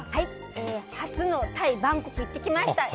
初のタイ・バンコク行ってきました！